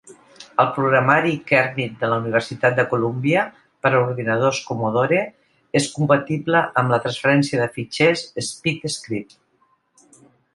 El programari Kermit de la Universitat de Columbia per a ordinadors Commodore és compatible amb la transferència de fitxers SpeedScript.